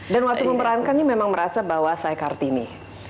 dan waktu memperankannya memang merasa bahwa saya kartini